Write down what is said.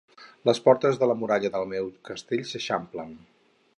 Les portes de la muralla del meu castell s'eixamplen.